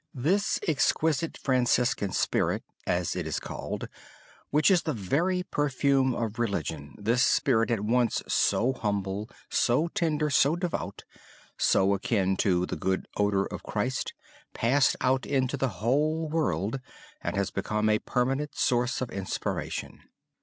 This exquisite Franciscan spirit, as it is called, which is the very perfume of religion this spirit at once so humble, so tender, so devout, so akin to 'the good odor of Christ' passed out into the whole world and has become a permanent source of inspiration.